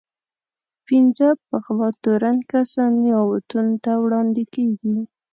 پنځه په غلا تورن کسان نياوتون ته وړاندې کېږي.